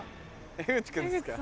江口君ですか？